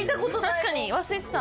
確かに忘れてた。